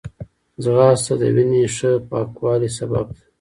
ځغاسته د وینې ښه پاکوالي سبب ده